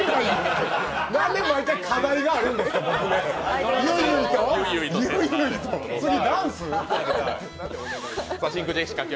なんで毎回、課題があるんですか、僕だけ？